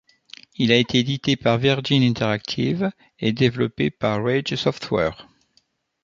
Il a été édité par Virgin Interactive et développé par Rage Software.